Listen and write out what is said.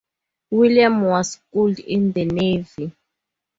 William was schooled in the navy.